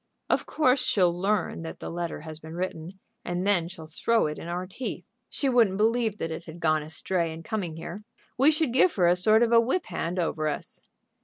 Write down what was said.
"Of course she'll learn that the letter has been written, and then she'll throw it in our teeth. She wouldn't believe that it had gone astray in coming here. We should give her a sort of a whip hand over us."